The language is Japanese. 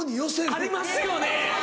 ありますよね！